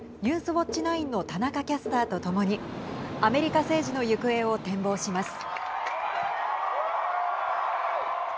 ウオッチ９の田中キャスターとともにアメリカ政治の行方を展望します。